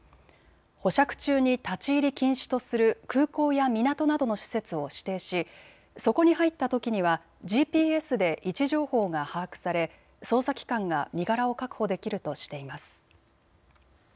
保釈中に立ち入り禁止とする空港や港などの施設を指定しそこに入ったときにはＧＰＳで位置情報が把握され捜査機関が身柄を確保できるとしています。